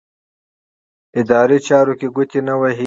اداري چارو کې ګوتې نه وهي.